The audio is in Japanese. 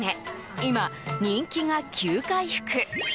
今、人気が急回復！